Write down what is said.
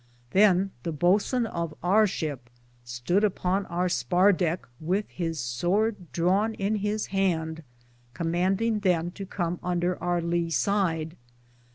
Than the booteson of our ship stod upon our spar decke,^ with his sorde drawne in his hande, commandinge them to come under our Lee side.